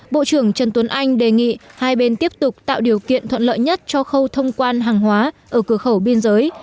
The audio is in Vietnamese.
bộ trưởng trần tuấn anh đề nghị hai bên tiếp tục tạo điều kiện thuận lợi nhất cho khâu thông quan hàng hóa ở cửa khẩu biên giới